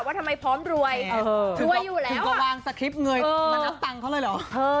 ว่าทำไมพร้อมรวยรวยอยู่แล้วมาวางสคริปต์เงยมานับตังค์เขาเลยเหรอ